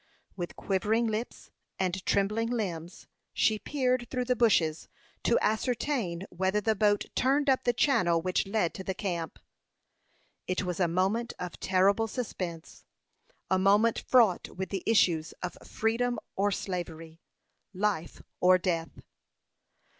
With quivering lips and trembling limbs, she peered through the bushes to ascertain whether the boat turned up the channel which led to the camp. It was a moment of terrible suspense; a moment fraught with the issues of freedom or slavery life or death.